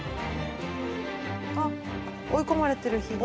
あっ追い込まれてる火が。